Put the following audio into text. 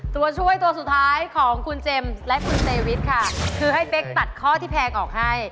ตัวช่วยตัวสุดท้ายของคุณเจมส์และคุณเซวิทค่ะคือให้เป๊กตัดข้อที่แพงออกให้